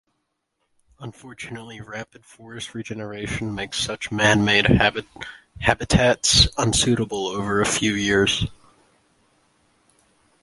Unfortunately, rapid forest regeneration makes such man-made habitats unsuitable over a few years.